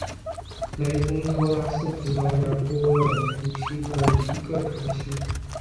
雷丰托拉是葡萄牙波尔图区的一个堂区。